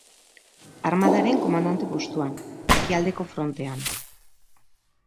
Armadaren komandante postuan, ekialdeko frontean.